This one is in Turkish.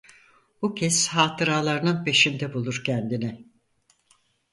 Bu kez hatıralarının peşinde bulur kendini.